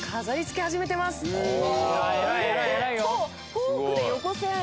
フォークで横線。